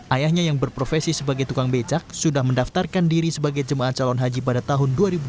ayahnya yang berprofesi sebagai tukang becak sudah mendaftarkan diri sebagai jemaah calon haji pada tahun dua ribu dua puluh